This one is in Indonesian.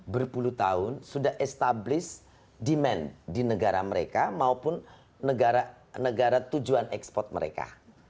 berpuluh tahun sudah established demand di negara mereka maupun negara tujuan ekspor mereka